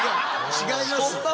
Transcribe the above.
違いますよ。